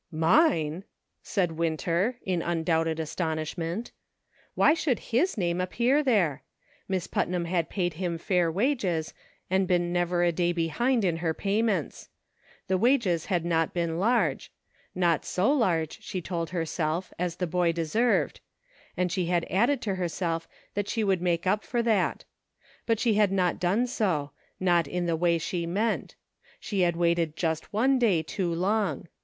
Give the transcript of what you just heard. "Mine!" said Winter, in undoubted astonish ment. Why should his name appear there ? Miss Putnam had paid him fair wages, and been never a day behind in her payments. The wages had not been large ; not so large, she told herself, as "ORDERS TO MOVE." l8l the boy deserved ; and she had added to herself that she would make up for that; but she had not done so, not in the way she meant ; she had waited just one day too long.